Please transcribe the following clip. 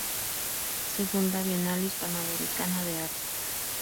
Segunda Bienal Hispanoamericana de Arte.